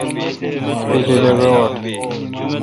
پلیل اے وہ اٹھ۔